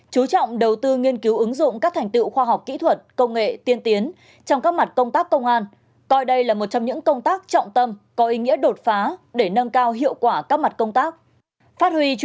chú trọng đầu tư nghiên cứu ứng dụng các thành tựu khoa học kỹ thuật công nghệ tiên tiến trong các mặt công tác công an coi đây là một trong những công tác trọng tâm có ý nghĩa đột phá để nâng cao hiệu quả các mặt công tác